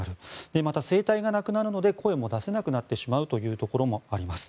また声帯がなくなるので声も出せなくなってしまうというところもあります。